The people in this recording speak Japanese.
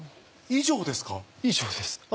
以上ですか？